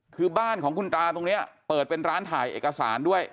คือบ้านของคุณตาตรงนี้เปิดเป็นร้านถ่ายเอกสารด้วย